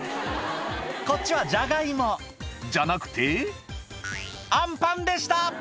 こっちはジャガイモじゃなくてアンパンでした！